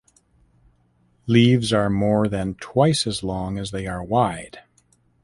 Leaves are more than twice as long as they are wide.